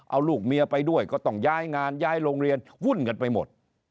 เอาลูกเมียไปด้วยก็ต้องย้ายงานย้ายโรงเรียนวุ่นกันไปหมด